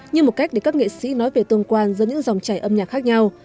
như một cách để các nghệ sĩ nói về tương quan giữa những dòng chảy âm nhạc khác nhau